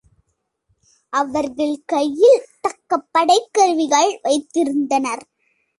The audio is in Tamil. அவர்கள் கையில் தக்க படைக் கருவிகள் வைத்திருந்தனர்.